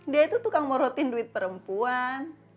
dia itu tukang morotin duit perempuan